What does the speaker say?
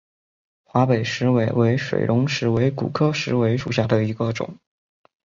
华北石韦为水龙骨科石韦属下的一个种。